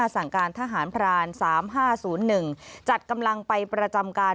สั่งการทหารพราน๓๕๐๑จัดกำลังไปประจำการ